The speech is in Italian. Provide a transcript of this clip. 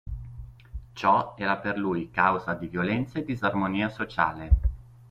Ciò era per lui causa di violenza e disarmonia sociale.